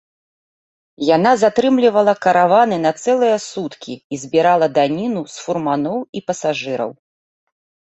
Яна затрымлівала караваны на цэлыя суткі і збірала даніну з фурманоў і пасажыраў.